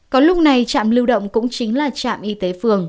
còn lúc này trạm lưu động cũng chính là trạm y tế phường